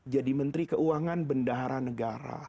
jadi menteri keuangan bendahara negara